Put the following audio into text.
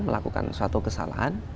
melakukan suatu kesalahan